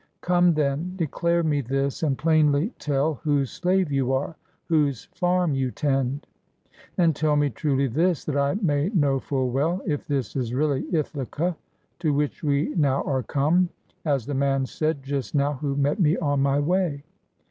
Come, then, declare me this and plainly tell 35 GREECE whose slave you are, whose farm you tend. And tell me truly this, that I may know full well, if this is really Ithaca to which we now are come, as the man said just now who met me on my way.